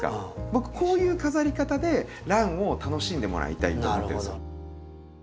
僕こういう飾り方でランを楽しんでもらいたいなと。なるほど。